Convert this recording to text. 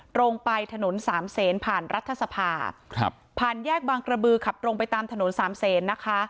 ตรงไปถนนสามเศษผ่านรัฐสภาครับผ่านแยกบางกระบือขับตรงไปตามถนนสามเศษนะคะ